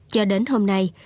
cho đến hôm nay